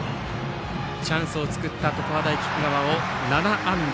チャンスを作った常葉大菊川を７安打